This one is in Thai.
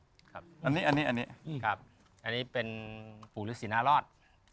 ครับอันนี้เป็นปู่ฤษีนารอด